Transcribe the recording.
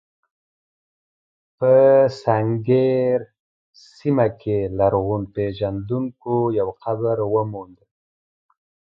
په سنګیر سیمه کې لرغونپېژندونکو یو قبر وموند.